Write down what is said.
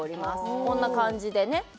こんな感じでね